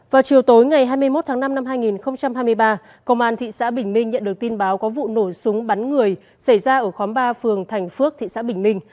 vào chiều tối ngày hai mươi một tháng năm năm hai nghìn hai mươi ba công an thị xã bình minh nhận được tin báo có vụ nổ súng bắn người xảy ra ở khóm ba phường thành phước thị xã bình minh